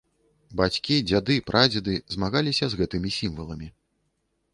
Бацькі, дзяды, прадзеды змагаліся з гэтымі сімваламі.